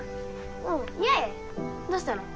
おう八重どうしたの？